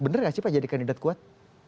bener gak sih pak jadi kandidat kuat